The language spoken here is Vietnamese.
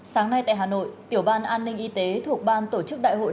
sáng nay tại hà nội tiểu ban an ninh y tế thuộc ban tổ chức đại hội